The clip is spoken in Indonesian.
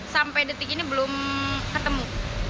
sampai detik ini belum ketemu